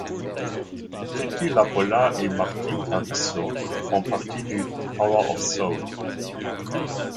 Titi Lapolla et Martín Carrizo font partie du Power of Soul.